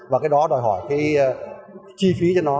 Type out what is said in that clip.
và cái đó đòi hỏi cái chi phí cho nó